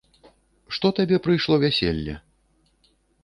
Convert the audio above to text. Што табе прыйшло вяселле?